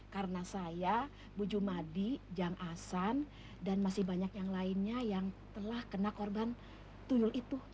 karena saya bu jumadi jang asan dan masih banyak yang lainnya yang telah kena korban tuyul itu